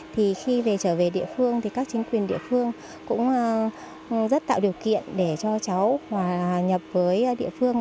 thì khi về trở về địa phương thì các chính quyền địa phương cũng rất tạo điều kiện để cho cháu hòa nhập với địa phương